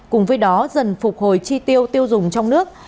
cùng với đó dần phục hồi chi tiêu tiêu dùng trong nước